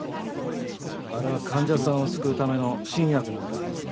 あれは患者さんを救うための新薬なんかじゃない。